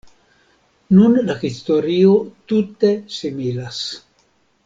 Nun la historio tute similas.